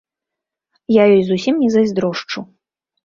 Я ёй зусім не зайздрошчу.